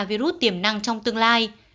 và virus tiềm năng trong tương lai